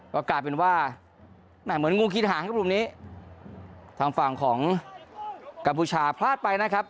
ก็กลายเป็นว่าเหมือนงูกินหางครับกลุ่มนี้ทางฝั่งของกัมพูชาพลาดไปนะครับ